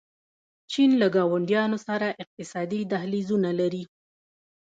چین له ګاونډیانو سره اقتصادي دهلیزونه لري.